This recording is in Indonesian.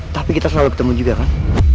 tapi kita selalu ketemu juga kan